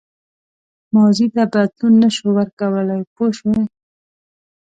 ماضي ته بدلون نه شو ورکولای پوه شوې!.